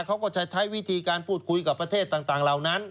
เขาก็จะใช้วิธีการพูดคุยกับประเทศต่างเหล่านั้น